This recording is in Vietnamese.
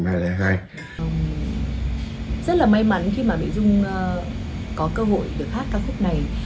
rất là may mắn khi mà mỹ dung có cơ hội được hát cao khúc này